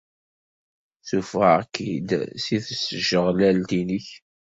Ssuffɣeɣ-k-id seg tjeɣlalt-nnek.